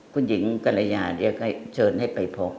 คุณหญิงกัลยาเรียกเชิญให้ไปพบ